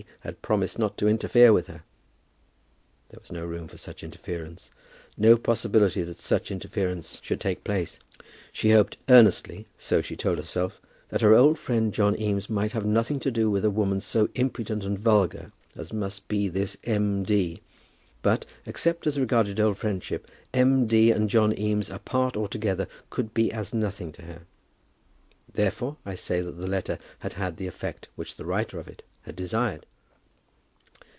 had promised not to interfere with her! There was no room for such interference, no possibility that such interference should take place. She hoped earnestly, so she told herself, that her old friend John Eames might have nothing to do with a woman so impudent and vulgar as must be this M. D.; but except as regarded old friendship, M. D. and John Eames, apart or together, could be as nothing to her. Therefore, I say that the letter had had the effect which the writer of it had desired.